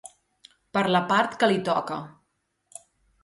Per la part que li toca.